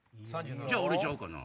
じゃあ俺ちゃうかな。